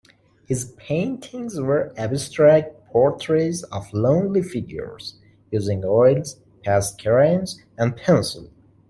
His paintings were abstract portraits of lonely figures, using oils, past crayons and pencil.